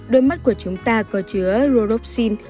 đôi mắt của chúng ta có chứa ruropsin